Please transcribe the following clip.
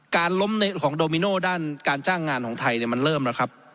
ล้มของโดมิโนด้านการจ้างงานของไทยมันเริ่มแล้วครับ